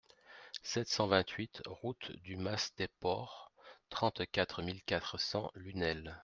sept cent vingt-huit route du Mas Desport, trente-quatre mille quatre cents Lunel